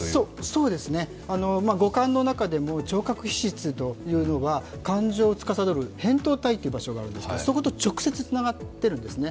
そうですね、五感の中でも聴覚というのは感情を司るへんとう体という場所があるんですけど、そこと直接つながっているんですね。